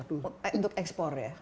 untuk ekspor ya